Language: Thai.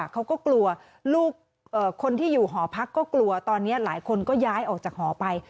เขาก็กลัวลูกคนที่อยู่หอพักก็กลัวตอนนี้หลายคนก็ย้ายออกจากหอไป